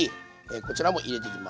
こちらも入れていきます。